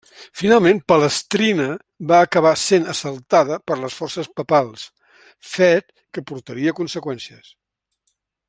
Finalment, Palestrina va acabar sent assaltada per les forces papals, fet que portaria conseqüències.